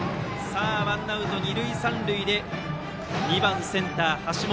ワンアウト二塁三塁で迎えるは２番センター、橋本。